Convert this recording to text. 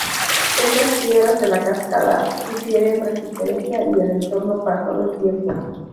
Estas piedras de la cascada sugieren `resistencia y el eterno paso del tiempo’.